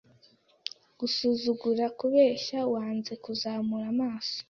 Gusuzugura kubeshya wanze kuzamura amaso